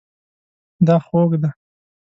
دا خوږ دی